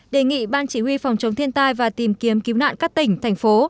đề nghị ban chỉ huy phòng chống thiên tai và tìm kiếm cứu nạn các tỉnh thành phố